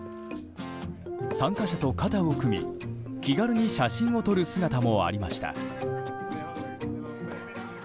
参加者と肩を組み、気軽に写真を撮る姿もありました。